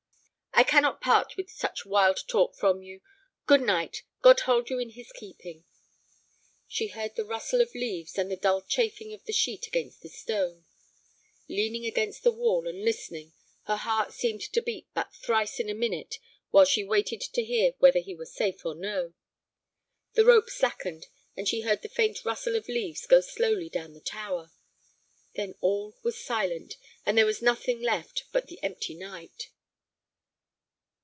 "I cannot part with such wild talk from you. Good night. God hold you in His keeping." She heard the rustle of leaves and the dull chafing of the sheet against the stone. Leaning against the wall and listening, her heart seemed to beat but thrice in a minute while she waited to hear whether he were safe or no. The rope slackened, and she heard the faint rustle of leaves go slowly down the tower. Then all was silent, and there was nothing left but the empty night.